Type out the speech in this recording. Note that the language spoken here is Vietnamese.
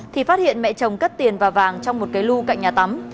thì phát hiện mẹ chồng cất tiền và vàng trong một cái lưu cạnh nhà tắm